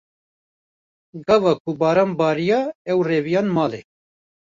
Gava ku baran bariya, ew reviyan malê.